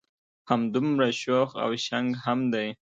همدمره شوخ او شنګ هم دی.